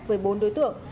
với bốn đối tượng